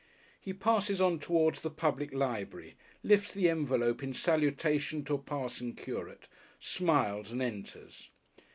He passes on towards the Public Library, lifts the envelope in salutation to a passing curate, smiles and enters....